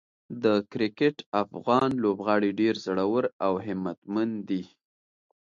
د کرکټ افغان لوبغاړي ډېر زړور او همتمن دي.